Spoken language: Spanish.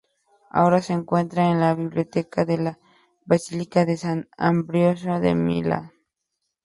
Ahora se encuentra en la biblioteca de la Basílica de San Ambrosio en Milán.